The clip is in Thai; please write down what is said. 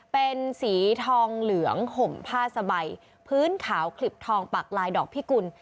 เป็นสีทองเหลืองห่มผ้าสบายพื้นขาวขลิบทองปากลายดอกพิกุล